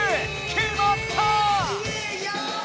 きまった！